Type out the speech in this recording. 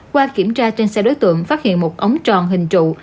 qua kiểm tra trên xe đối tượng phát hiện một ống tròn hình trụ